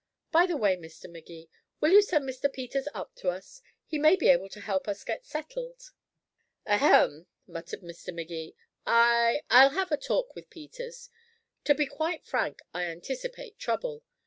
By the way, Mr. Magee, will you send Mr. Peters up to us? He may be able to help us get settled." "Ahem," muttered Mr. Magee, "I I'll have a talk with Peters. To be quite frank, I anticipate trouble.